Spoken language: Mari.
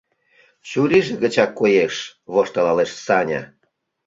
— Чурийже гычак коеш, — воштылалеш Саня.